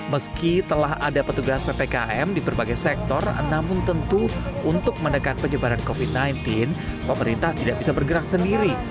meski telah ada petugas ppkm di berbagai sektor namun tentu untuk menekan penyebaran covid sembilan belas pemerintah tidak bisa bergerak sendiri